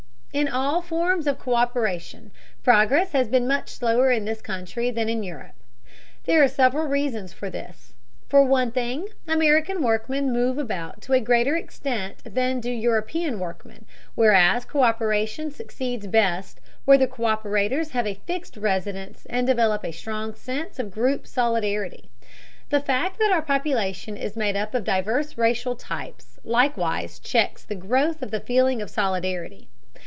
In all forms of co÷peration, progress has been much slower in this country than in Europe. There are several reasons for this. For one thing, American workmen move about to a greater extent than do European workmen, whereas co÷peration succeeds best where the co÷perators have a fixed residence and develop a strong sense of group solidarity. The fact that our population is made up of diverse racial types likewise checks the growth of the feeling of solidarity.